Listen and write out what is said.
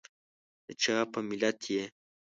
دچا په ملت یي؟